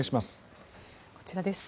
こちらです。